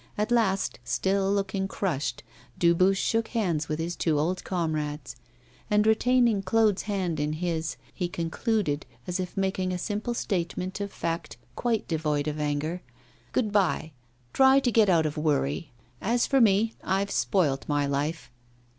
At last, still looking crushed, Dubuche shook hands with his old comrades; and retaining Claude's hand in his, he concluded, as if making a simple statement of fact quite devoid of anger: 'Good bye; try to get out of worry! As for me, I've spoilt my life.